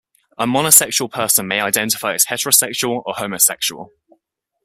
A monosexual person may identify as heterosexual or homosexual.